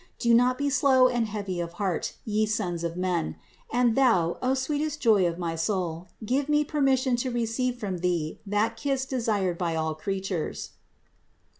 Do not be slow and heavy of heart, ye sons of men; and Thou, O sweetest joy of my soul, give me permission to receive from Thee that kiss desired by all creatures."